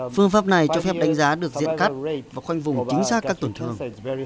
phương pháp này cho phép đánh giá được diện cắt và khoanh vùng chính xác các tổn thương